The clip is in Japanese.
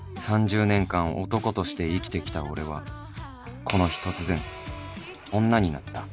［３０年間男として生きてきた俺はこの日突然女になった］